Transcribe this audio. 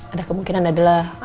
ada kemungkinan adalah